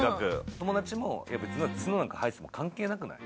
友達も、別に角なんか生えてても関係なくない？